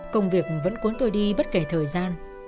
công việc vẫn cuốn tôi đi bất kể thời gian